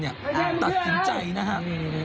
คงตัดฟินใจนะฮะ